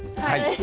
はい。